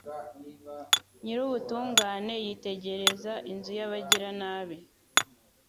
Nyir’ubutungane yitegereza inzu y’abagiranabi